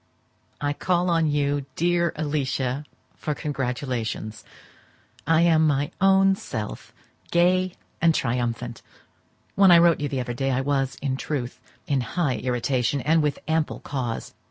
I call on you, dear Alicia, for congratulations: I am my own self, gay and triumphant! When I wrote to you the other day I was, in truth, in high irritation, and with ample cause.